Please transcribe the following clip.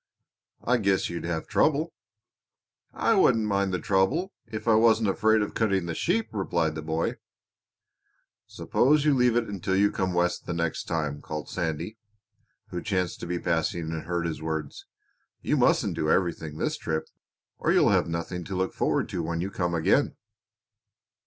"I guess you'd have trouble!" "I wouldn't mind the trouble if I wasn't afraid of cutting the sheep," replied the boy. "Suppose you leave it until you come West the next time," called Sandy, who chanced to be passing and heard his words. "You mustn't do everything this trip, or you'll have nothing to look forward to when you come again."